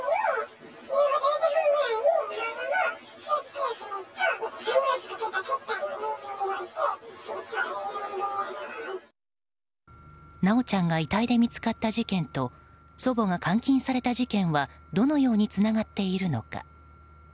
修ちゃんが遺体で見つかった事件と祖母が監禁された事件はどのようにつながっているのか。